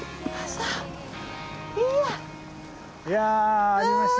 いや上がりました。